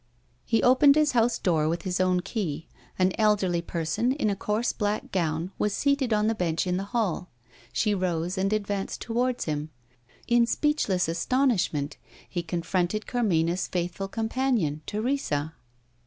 He opened his house door with his own key. An elderly person, in a coarse black gown, was seated on the bench in the hall. She rose, and advanced towards him. In speechless astonishment, he confronted Carmina's faithful companion Teresa.